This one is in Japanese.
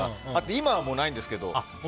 今はないんですけど。